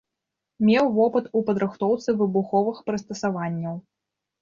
Меў вопыт у падрыхтоўцы выбуховых прыстасаванняў.